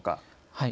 はい。